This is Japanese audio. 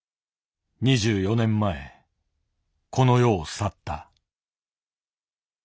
２４年前この世を去った。